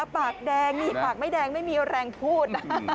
ปากแดงนี่ปากไม่แดงไม่มีแรงพูด